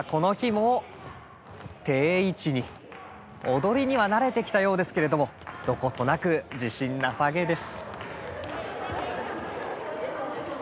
踊りには慣れてきたようですけれどもどことなく自信なさげです。